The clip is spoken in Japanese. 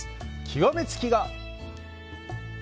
極めつきが？